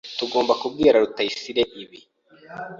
Tugomba kubwira Rutayisire ibi.